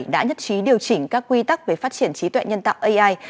đã nhất trí điều chỉnh các quy tắc về phát triển trí tuệ nhân tạo ai